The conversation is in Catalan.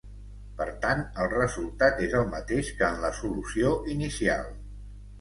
Per tant el resultat és el mateix que en la solució inicial.